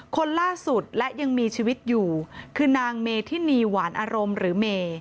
คนล่าสุดและยังมีชีวิตอยู่คือนางเมธินีหวานอารมณ์หรือเม